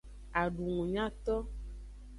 Adungunyato.